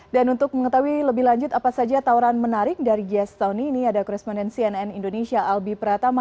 dan untuk mengetahui lebih lanjut apa saja tawaran menarik dari giias tahun ini ada koresponden cnn indonesia albi pratama